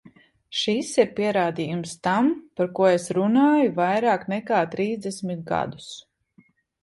Šis ir pierādījums tam, par ko es runāju vairāk nekā trīsdesmit gadus.